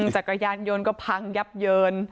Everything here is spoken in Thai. จักรยานยนต์ก็พังยับเยิน